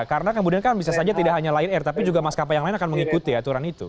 karena kemudian kan bisa saja tidak hanya line air tapi juga maskapai yang lain akan mengikuti aturan itu